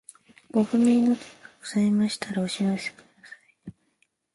ご不明な点がございましたらお知らせください。